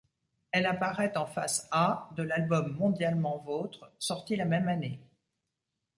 Elle apparaît en face A de l'album Mondialement vôtre sorti la même année.